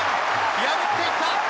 破っていった。